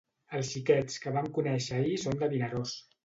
Els xiquets que vam conèixer ahir són de Vinaròs